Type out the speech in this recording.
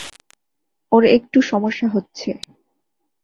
ওর একটু সমস্যা হচ্ছে।